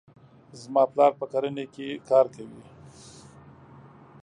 زما پلار په کرنې کې کار کوي.